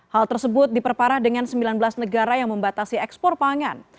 hal tersebut diperparah dengan sembilan belas negara yang membatasi ekspor pangan